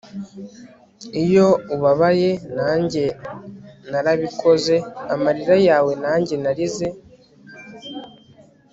iyo ubabaye, nanjye narabikoze; amarira yawe nanjye narize